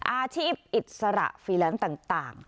อาทิตย์อิสระฟีแล้วต่าง